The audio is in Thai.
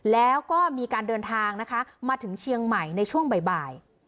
แล้วก็มีการเดินทางนะคะมาถึงเชียงใหม่ในช่วงบ่าย